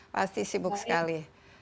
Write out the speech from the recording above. pasti sibuk sekali